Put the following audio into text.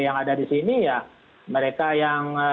yang ada di sini ya mereka yang